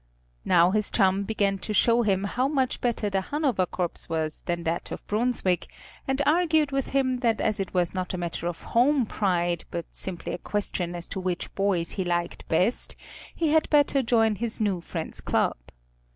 Now his chum began to show him how much better the Hanover corps was than that of Brunswick, and argued with him that as it was not a matter of home pride, but simply a question as to which boys he liked best, he had better join his new friends' club.